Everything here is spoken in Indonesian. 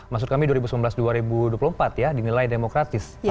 maksud kami dua ribu sembilan belas dua ribu dua puluh empat ya dinilai demokratis